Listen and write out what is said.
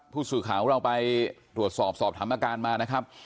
ผู้สื่อข่าวของเราไปตรวจสอบสอบถามอาการมานะครับ